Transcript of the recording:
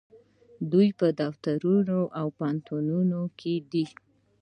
دوی په دفترونو او پوهنتونونو کې دي.